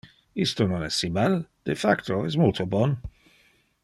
Isto non es si mal; de facto es multo bon.